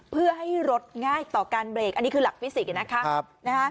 เพื่อให้รถง่ายต่อการเบรกอันนี้คือหลักฟิสิกส์นะคะ